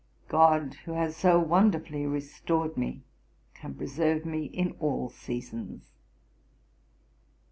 GOD, who has so wonderfully restored me, can preserve me in all seasons.